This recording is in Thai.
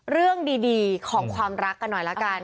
เรื่องดีของความรักกันหน่อยละกัน